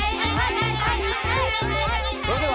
はい。